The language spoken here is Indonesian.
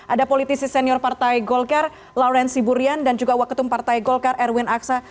ada politisi senior partai golkar lawren siburian dan juga waketum partai golkar erwin aksa